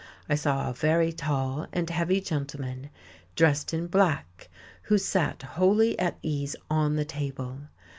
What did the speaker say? I saw a very tall and heavy gentleman, dressed in black, who sat, wholly at ease, on the table!